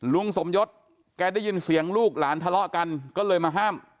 ลุงสมยศแกได้ยินเสียงลูกหลานทะเลาะกันก็เลยมาห้าม